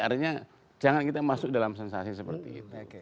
artinya jangan kita masuk dalam sensasi seperti itu